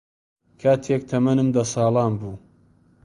کاتێک تەمەنم دە ساڵان بوو